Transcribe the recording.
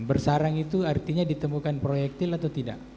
bersarang itu artinya ditemukan proyektil atau tidak